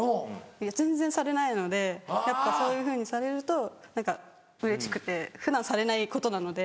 全然されないのでやっぱそういうふうにされると何かうれしくて普段されないことなので。